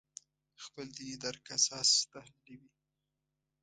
خپل دیني درک اساس تحلیلوي.